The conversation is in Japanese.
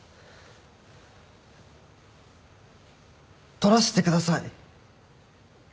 撮らせてください。